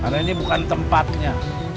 karena ini bukan tempatnya